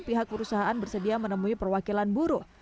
pihak perusahaan bersedia menemui perwakilan buruh